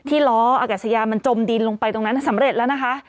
ล้ออากาศยานมันจมดินลงไปตรงนั้นสำเร็จแล้วนะคะ